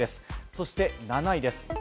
そして７位です。